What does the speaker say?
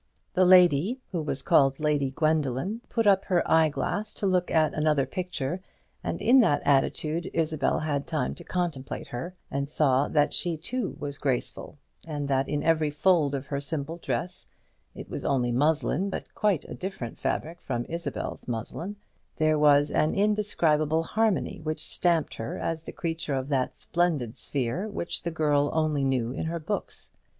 The lady, who was called Lady Gwendoline, put up her eye glass to look at another picture; and in that attitude Isabel had time to contemplate her, and saw that she too was graceful, and that in every fold of her simple dress it was only muslin, but quite a different fabric from Isabel's muslin there was an indescribable harmony which stamped her as the creature of that splendid sphere which the girl only knew in her books.